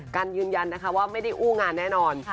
กันยืนยันนะคะว่าไม่ได้อู้งานแน่นอน